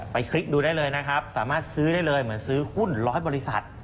ไปคลิกดูได้เลยสามารถซื้อได้เลยเหมือนซื้อหุ้น๑๐๐บริษัท